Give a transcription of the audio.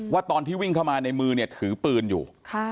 ว่าตอนที่วิ่งเข้ามาในมือเนี่ยถือปืนอยู่